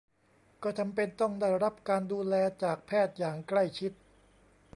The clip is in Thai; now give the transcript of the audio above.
ก็จำเป็นต้องได้รับการดูแลจากแพทย์อย่างใกล้ชิด